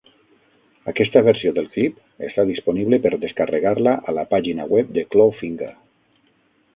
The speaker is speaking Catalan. Aquesta versió del clip està disponible per descarregar-la a la pàgina web de Clawfinger.